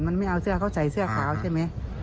มันไม่เอาเสื้อเขาใส่เสื้อขาวใช่ไหม